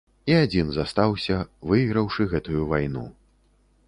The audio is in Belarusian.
І адзін застаўся, выйграўшы гэтую вайну.